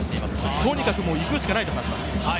とにかく行くしかないと話します。